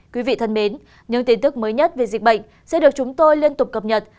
quý vị thân mến những tin tức mới nhất về dịch bệnh sẽ được chúng tôi liên tục cập nhật